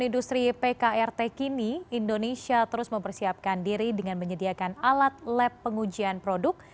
industri pkrt kini indonesia terus mempersiapkan diri dengan menyediakan alat lab pengujian produk